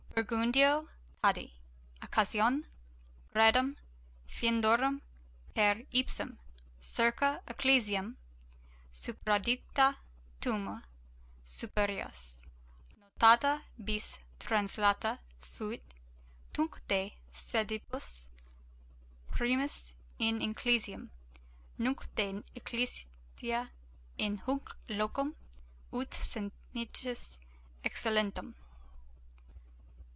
BURGUNDIO TADI, OCCASIONE GRADUUM FIENDORUM PER IPSUM CIRCA ECCLESIAM, SUPRADICTA TUMBA SUPERIUS NOTATA BIS TRANSLATA FUIT, TUNC DE SEDIBUS PRIMIS IN ECCLESIAM, NUNC DE ECCLESIA IN HUNC LOCUM, UT CERNITIS, EXCELLENTEM.